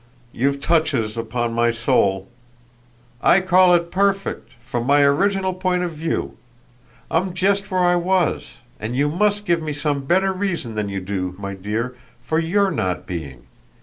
You've touches, upon my soul !" "I call it perfect from my original point of view. I'm just where I was; and you must give me some better reason than you do, my dear, for YOUR not being.